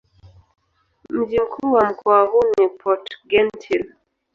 Mji mkuu wa mkoa huu ni Port-Gentil.